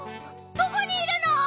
どこにいるの？